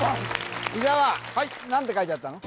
伊沢何て書いてあったの？